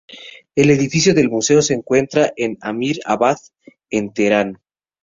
El edificio del museo, se encuentra en Amir Abad en Teherán.